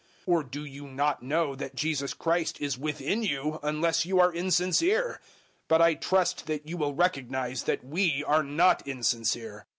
Or do you not know that Jesus Christ is within you, unless you are insincere? 013:006 But I trust that you will recognize that we are not insincere.